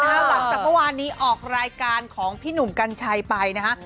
หลังจากเมื่อวานนี้ออกรายการของพี่หนุ่มกัญชัยไปนะฮะ